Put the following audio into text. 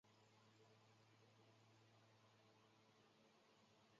各角色译名以协和国际多媒体所定译名为准。